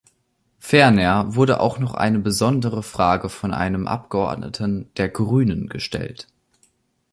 Ferner wurde auch noch eine besondere Frage von einem Abgeordneten der Grünen gestellt.